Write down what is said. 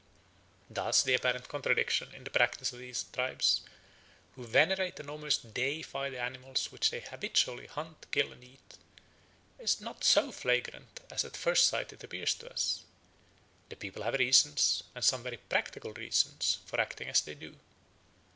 Thus the apparent contradiction in the practice of these tribes, who venerate and almost deify the animals which they habitually hunt, kill, and eat, is not so flagrant as at first sight it appears to us: the people have reasons, and some very practical reasons, for acting as they do.